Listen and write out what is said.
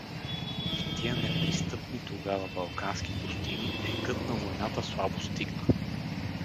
В тия непристъпни тогава балкански пустини екът на войната слабо стигна.